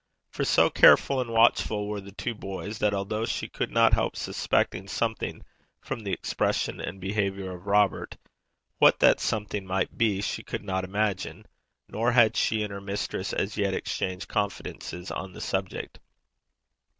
For so careful and watchful were the two boys, that although she could not help suspecting something from the expression and behaviour of Robert, what that something might be she could not imagine; nor had she and her mistress as yet exchanged confidences on the subject.